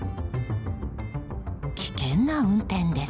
危険な運転です。